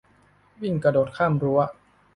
วิ่งกระโดดข้ามรั้ว